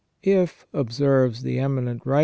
If, observes the eminent \a\\.